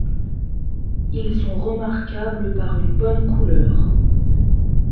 Ils sont remarquables par une bonne couleur.